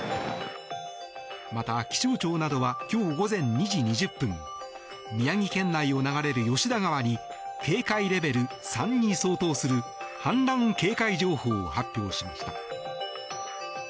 また、気象庁などは今日午前２時２０分宮城県内を流れる吉田川に警戒レベル３に相当する氾濫警戒情報を発表しました。